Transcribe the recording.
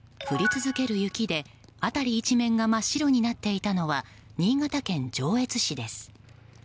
降り続ける雪で辺り一面が真っ白になっていたのは新潟県上越市です。